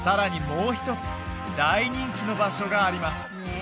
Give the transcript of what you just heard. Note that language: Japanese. もう一つ大人気の場所があります